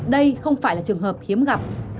đây không phải là trường hợp hiếm gặp